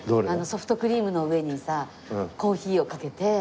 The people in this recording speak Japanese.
ソフトクリームの上にさコーヒーをかけて。